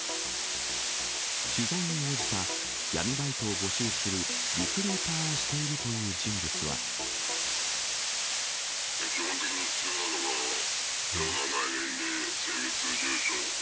取材に応じた闇バイトを募集するリクルーターをしているという人基本的に必要なのが、名前、年齢、性別、住所。